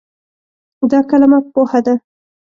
دا کلمه "پوهه" ده.